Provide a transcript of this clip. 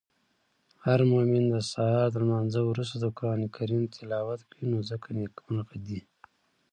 هرمومن د سهار د لمانځه وروسته د قرانکریم تلاوت کوی نو ځکه نیکمرغه دی.